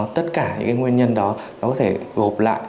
tất cả những nguyên nhân đó nó có thể gộp lại